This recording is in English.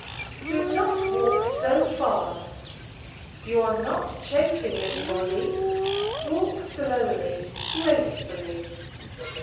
Do not walk so fast! you are not chasing anybody! Walk slowly, gracefully!